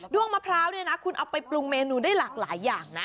้วงมะพร้าวเนี่ยนะคุณเอาไปปรุงเมนูได้หลากหลายอย่างนะ